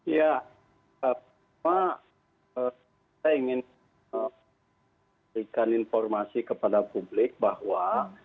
ya pertama saya ingin memberikan informasi kepada publik bahwa